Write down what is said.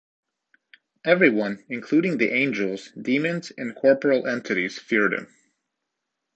Everyone, including the angels, demons, and corporeal entities feared him.